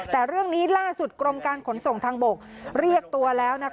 แต่เรื่องนี้ล่าสุดกรมการขนส่งทางบกเรียกตัวแล้ว